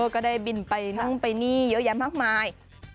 ก็ได้บินไปนู่นไปนี่เยอะแยะมากมาย